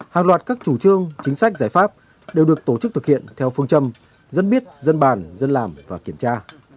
hàng loạt các chủ trương chính sách giải pháp đều được tổ chức thực hiện theo phương châm dân biết dân bàn dân làm và kiểm tra